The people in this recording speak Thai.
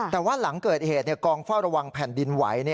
แต่ว่าหลังเกิดเหตุกองเฝ้าระวังแผ่นดินไหว